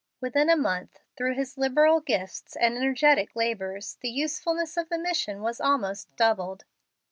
Within a month, through his liberal gifts and energetic labors, the usefulness of the mission was almost doubled.